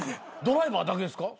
ドライバーだけですか？